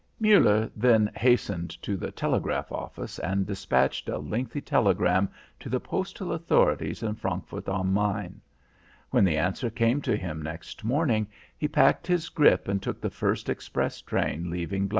Muller then hastened to the telegraph office and despatched a lengthy telegram to the postal authorities in Frankfurt am Main. When the answer came to him next morning, he packed his grip and took the first express train leaving G